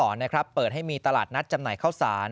ต้องสอนนะครับเปิดให้มีตลาดณจำหน่ายข้าวสาร